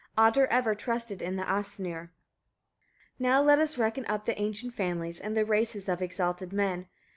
Ottar ever trusted in the Asyniur. 12. Now let us reckon up the ancient families, and the races of exalted men.